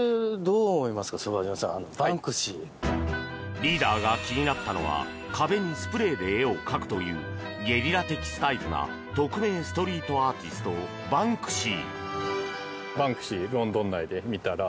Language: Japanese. リーダーが気になったのは壁にスプレーで絵を描くというゲリラ的スタイルな匿名ストリートアーティストバンクシー。